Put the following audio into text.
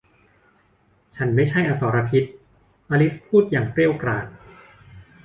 ฉันไม่ใช่อสรพิษ อลิซพูดอย่างเกรี้ยวกราด